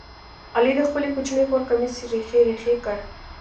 علي د خپلې کوچنۍ خور کمیس ریخې ریخې کړ.